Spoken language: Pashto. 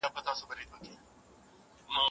د اسلامي دولت وګړي اسلام شموله باید يي.